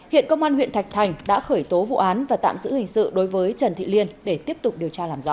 hiện công an huyện thạch thành đã khởi tố vụ án và tạm giữ hình sự đối với trần thị liên để tiếp tục điều tra làm rõ